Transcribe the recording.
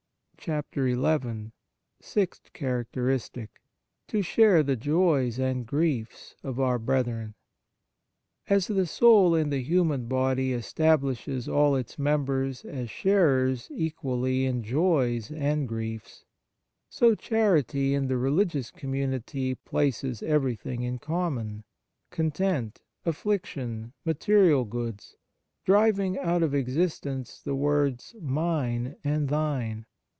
XI SIXTH CHARACTERISTIC To share the joys and griefs of our brethren As the soul in the human body establishes all its members as sharers equally in joys and griefs, so charity in the religious community places everything in common content, afflic tion, material goods driving out of existence the words mine and thine.